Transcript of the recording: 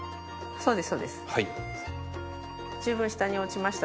そうです。